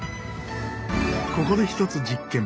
ここで一つ実験。